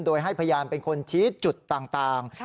โดยให้พยานเป็นคนชี้จุดต่าง